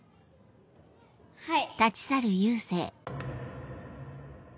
はい。